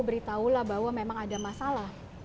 beritahulah bahwa memang ada masalah